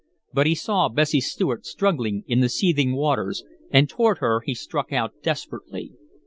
But he saw Bessie Stuart struggling in the seething waters, and toward her he struck out desperately.